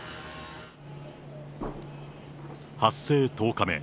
発生１０日目。